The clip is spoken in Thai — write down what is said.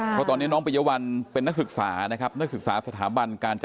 เพราะตอนนี้น้องปียวัลเป็นนักศึกษาสถาบันคณะจัดการ